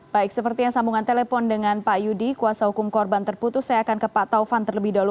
baik seperti yang sambungan telepon dengan pak yudi kuasa hukum korban terputus saya akan ke pak taufan terlebih dahulu